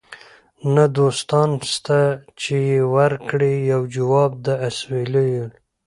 نه دوستان سته چي یې ورکړي یو جواب د اسوېلیو